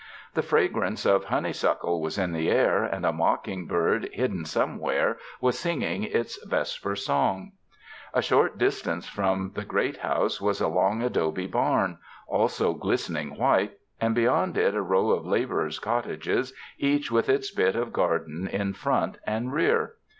The fragrance of honeysuckle was in the air, and a mocking bird hidden somewhere was singing its ves per song. A short distance from the great house was a long adobe barn, also glistening white, and beyond it a row of laborers' cottages each with its bit of garden in front and rear.